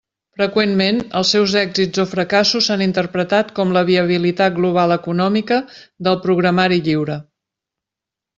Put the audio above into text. Freqüentment, els seus èxits o fracassos s'han interpretat com la viabilitat global econòmica del programari lliure.